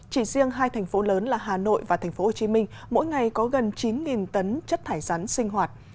chỉ riêng hai thành phố lớn là hà nội và tp hcm mỗi ngày có gần chín tấn chất thải rắn sinh hoạt